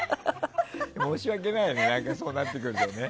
申し訳ないよね。